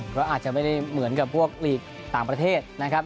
เพราะอาจจะไม่ได้เหมือนกับพวกลีกต่างประเทศนะครับ